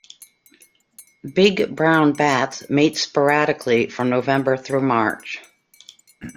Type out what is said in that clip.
Big brown bats mate sporadically from November through March.